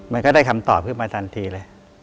มันก็ได้คำตอบขึ้นมาทันทีเลย